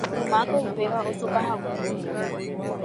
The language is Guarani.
Ymáko upéva osopahague